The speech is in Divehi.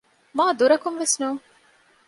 މާދުރަކުން ވެސް ނޫން